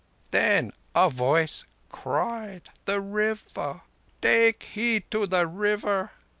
Then a voice cried: 'The River! Take heed to the River!